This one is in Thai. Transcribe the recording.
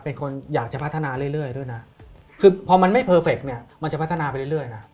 เป็นคนอยากจะพัฒนาเรื่อยด้วยนะคือพอมันไม่เพอร์เฟคเนี่ยมันจะพัฒนาไปเรื่อยนะ